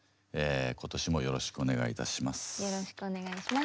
今年もよろしくお願いいたします。